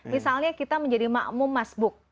misalnya kita menjadi makmum masbuk